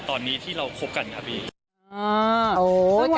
ตอนนี้ที่เราคบกันครับพี่